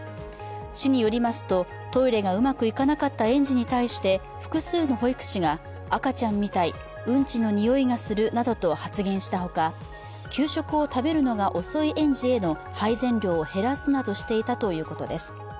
市によりますと、トイレがうまくいかなかった園児に対して複数の保育士が赤ちゃんみたい、うんちのにおいがするなどと発言したほか、給食を食べるのが遅い園児への配膳量を減らすなどしていたということです。